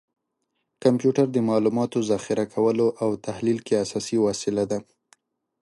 کمپیوټر د معلوماتو ذخیره کولو او تحلیل کې اساسي وسیله ده.